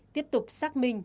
tiếp tục xác minh